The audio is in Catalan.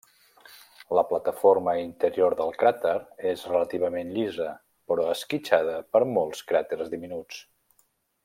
La plataforma interior del cràter és relativament llisa, però esquitxada per molts cràters diminuts.